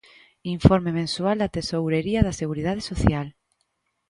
Informe mensual da Tesourería da Seguridade Social.